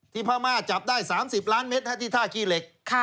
พม่าจับได้๓๐ล้านเมตรที่ท่าขี้เหล็ก